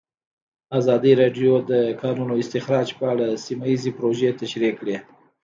ازادي راډیو د د کانونو استخراج په اړه سیمه ییزې پروژې تشریح کړې.